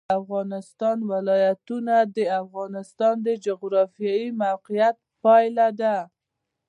د افغانستان ولايتونه د افغانستان د جغرافیایي موقیعت پایله ده.